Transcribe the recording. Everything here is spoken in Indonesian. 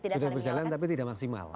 sudah berjalan tapi tidak maksimal